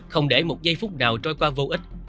không để một giây phút nào trôi qua vô ích